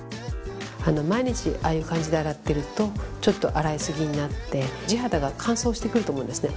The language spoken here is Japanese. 毎日ああいう感じで洗ってるとちょっと洗い過ぎになって地肌が乾燥してくると思うんですね